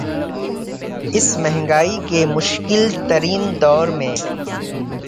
اس مہنگائی کے مشکل ترین دور میں